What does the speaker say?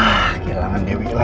pake lelangan dewi lagi kan